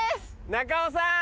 中尾さん！